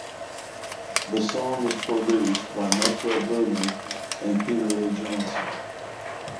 The song was produced by Metro Boomin and Peter Lee Johnson.